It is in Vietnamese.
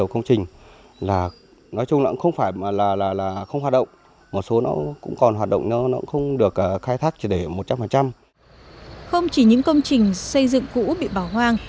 không chỉ những công trình xây dựng cũ bị bỏ hoang